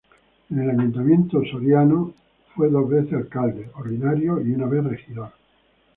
En el Ayuntamiento de Soriano fue dos veces Alcalde ordinario y una vez Regidor.